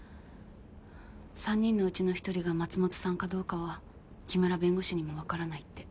３人のうちの１人が松本さんかどうかは木村弁護士にもわからないって。